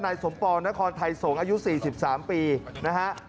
นายสมปองนครไทยสงฆ์อายุ๔๓ปีนะฮะ